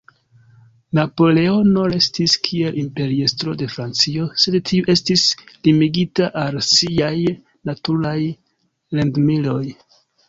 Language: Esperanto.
Napoleono restis kiel Imperiestro de Francio, sed tiu estis limigita al siaj "naturaj landlimoj".